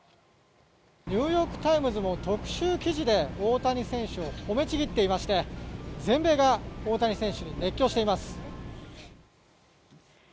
ニューヨーク・タイムズも特集記事で大谷選手を褒めちぎっていまして全米が大谷選手に熱狂しています。